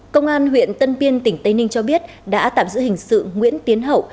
công an huyện tân biên tỉnh tây ninh cho biết đã tạm giữ hình sự nguyễn tiến hậu